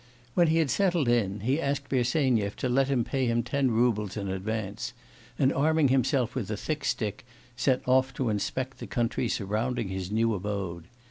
When he had settled in, he asked Bersenyev to let him pay him ten roubles in advance, and arming himself with a thick stick, set off to inspect the country surrounding his new abode.